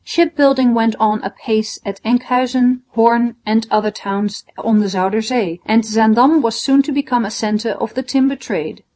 Ship building went on apace at Enkhuizen, Hoorn and other towns on the Zuyder Zee; and Zaandam was soon to become a centre of the timber trade.